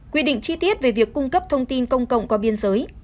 quy định chi tiết về việc cung cấp thông tin công cộng qua biên giới